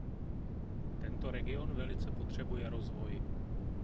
Tento region velice potřebuje rozvoj.